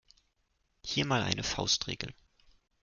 Hier mal eine Faustregel.